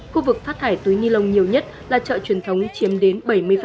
khu vực phát thải túi ni lông nhiều nhất là chợ truyền thống chiếm đến bảy mươi